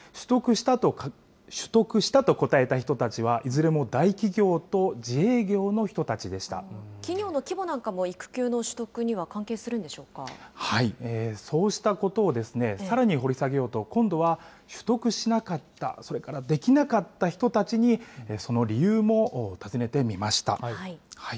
取得したと答えた人たちは、いずれも大企業と自営業の人たちでし企業の規模なんかも育休の取そうしたことをさらに掘り下げようと、今度は取得しなかった、それからできなかった人たちに、その理由も尋ねてみました。